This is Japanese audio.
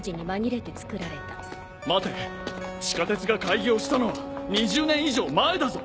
待て地下鉄が開業したのは２０年以上前だぞ。